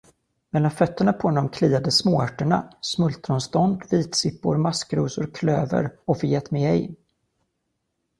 Mellan fötterna på honom kilade småörterna: smultronstånd, vitsippor, maskrosor, klöver och förgätmigej.